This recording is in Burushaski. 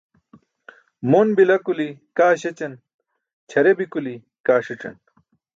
Mon bila kuli kaa śećan, ćʰare bi kuli kaa ṣic̣an.